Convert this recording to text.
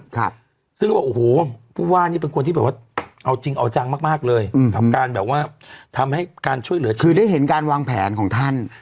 คือได้เห็นการวางแผนของท่าน